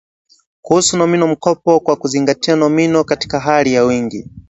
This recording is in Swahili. kuhusu nomino mkopo kwa kuzingatia nomino katika hali ya wingi